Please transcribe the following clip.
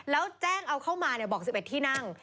แล้วแจ้งเอาเข้ามาบอก๑๑ที่นั่ง